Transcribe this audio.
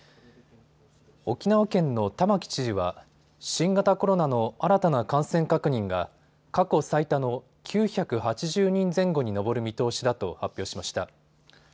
沖縄県の玉城知事は新型コロナの新たな感染確認が過去最多の９８０人前後に上る見通しだと発表しました。